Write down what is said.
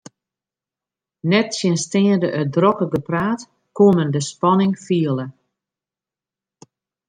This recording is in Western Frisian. Nettsjinsteande it drokke gepraat koe men de spanning fiele.